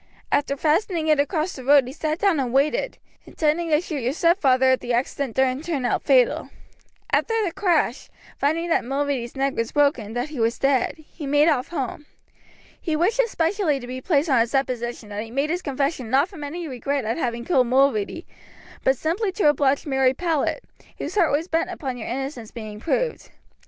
After fastening it across the road he sat down and waited, intending to shoot your stepfather if the accident didn't turn out fatal. After the crash, finding that Mulready's neck was broken and that he was dead, he made off home. He wished it specially to be placed on his deposition that he made his confession not from any regret at having killed Mulready, but simply to oblige Mary Powlett, whose heart was bent upon your innocence being proved.